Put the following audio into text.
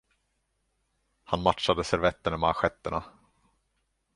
Han matchade servetterna med assietterna.